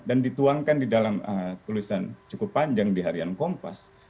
dan dituangkan di dalam tulisan cukup panjang di harian kompas